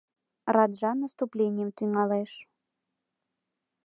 РАДЖА НАСТУПЛЕНИЙЫМ ТӰҤАЛЕШ